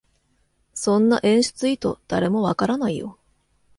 そんな演出意図、誰もわからないよ